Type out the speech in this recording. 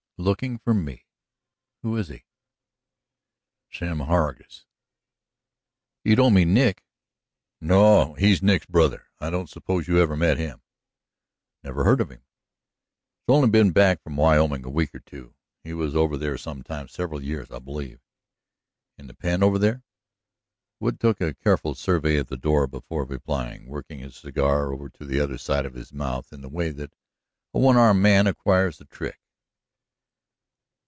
"Lookin' for me? Who is he?" "Sim Hargus." "You don't mean Nick?" "No; he's Nick's brother. I don't suppose you ever met him." "I never heard of him." "He's only been back from Wyoming a week or two. He was over there some time several years, I believe." "In the pen over there?" Wood took a careful survey of the door before replying, working his cigar over to the other side of his mouth in the way that a one armed man acquires the trick.